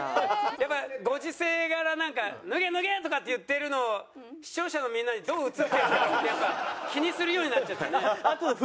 やっぱりご時世柄なんか「脱げ脱げ！」とかって言っているのを視聴者のみんなにどう映っているのかってやっぱ気にするようになっちゃったね。